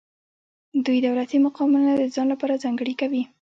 دوی دولتي مقامونه د ځان لپاره ځانګړي کوي.